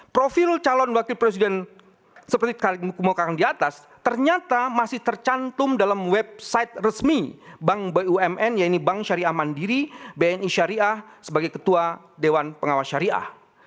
profil calon wakil presiden seperti kali kemukakan di atas ternyata masih tercantum dalam website resmi bank bumn yaitu bank syariah mandiri bni syariah sebagai ketua dewan pengawas syariah